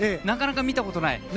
なかなか見たことない。